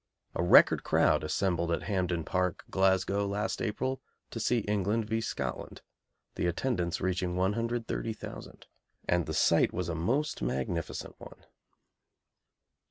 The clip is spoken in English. A record crowd assembled at Hampden Park, Glasgow, last April to see England v. Scotland, the attendance reaching 130,000, and the sight was a most magnificent one.